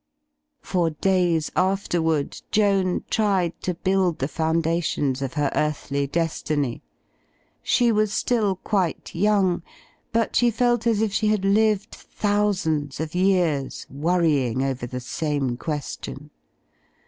For days afterward Joan tried to build the foun dations of her earthly destiny. She was still quite young, but she felt as if she had lived thousands of years, worrying over the same question.